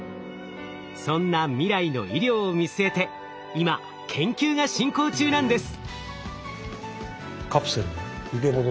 そんな未来の医療を見据えて今研究が進行中なんです！